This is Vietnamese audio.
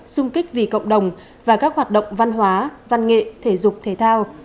xung kích vì cộng đồng và các hoạt động văn hóa văn nghệ thể dục thể thao